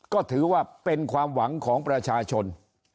ก็ถือว่าเป็นความหวังของประชาชน